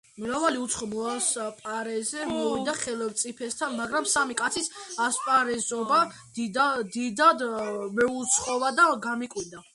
მრავალი უცხო მოასპარეზე მოვიდა ხელმწიფესთან, მაგრამ სამი კაცის ასპარეზობა დიდად მეუცხოვა და გამიკვირდა.